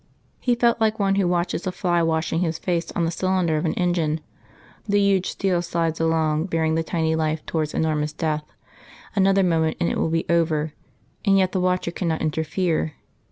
He felt like one who watches a fly washing his face on the cylinder of an engine the huge steel slides along bearing the tiny life towards enormous death another moment and it will be over; and yet the watcher cannot interfere.